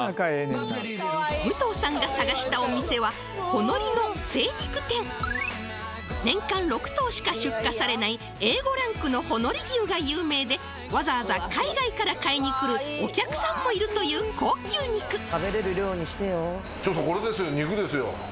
んな武藤さんが探したお店は年間６頭しか出荷されないＡ５ランクのほのり牛が有名でわざわざ海外から買いに来るお客さんもいるという高級肉何だ